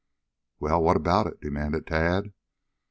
"Well, what about it?" demanded Tad.